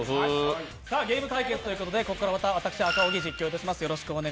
ゲーム対決ということでここからまた私、赤荻実況いたします。